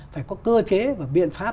phải có cơ chế và biện pháp